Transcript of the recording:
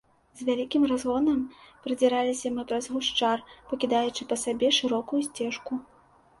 З вялікім разгонам прадзіраліся мы праз гушчар, пакідаючы па сабе шырокую сцежку.